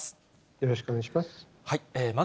よろしくお願いします。